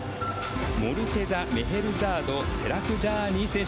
モルテザ・メヘルザードセラクジャーニー選手。